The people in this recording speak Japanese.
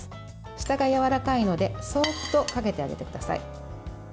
下がやわらかいのでそーっとかけてあげてください。